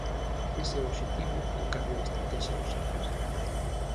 Ese é o obxectivo do cambio de estratexia do Sergas.